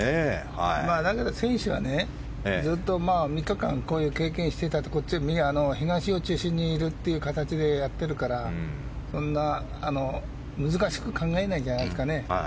選手は３日間こういう経験をしていて東を中心にいるという形でやっているから難しく考えないんじゃないですかね。